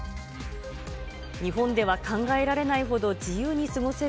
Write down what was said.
日本では考えられないほど自由に過ごせる